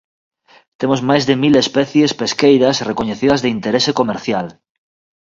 Temos máis de mil especies pesqueiras recoñecidas de interese comercial.